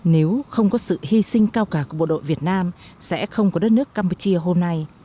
nếu không có sự hy sinh cao cả của bộ đội việt nam sẽ không có đất nước campuchia hôm nay